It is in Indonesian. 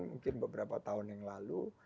mungkin beberapa tahun yang lalu